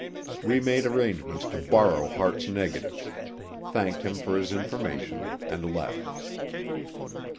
We made arrangements to borrow Hart's negatives, thanked him for his information, and left.